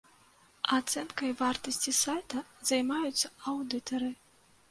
Ацэнкай вартасці сайта займаюцца аўдытары.